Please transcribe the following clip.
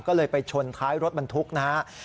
ก็เลยไปชนท้ายรถบรรทุกนะครับ